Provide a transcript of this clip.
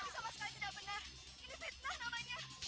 sama sekali tidak benar ini fitnah namanya